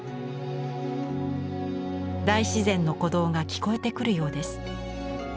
大自然の鼓動が聞こえてくるようです。